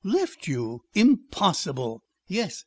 "Left you! Impossible!" "Yes."